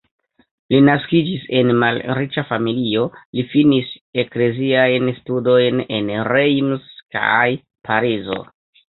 Li naskiĝis en malriĉa familio, li finis ekleziajn studojn en Reims kaj Parizo.